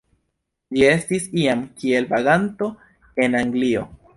Ĝi estis iam kiel vaganto en Anglio.